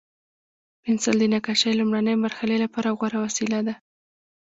پنسل د نقاشۍ لومړني مرحلې لپاره غوره وسیله ده.